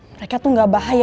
mereka tuh gak bahaya